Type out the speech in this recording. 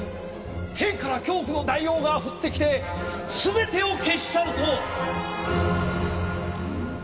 天から恐怖の大王が降ってきて全てを消し去ると！